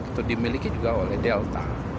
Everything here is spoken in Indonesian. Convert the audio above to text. atau dimiliki juga oleh delta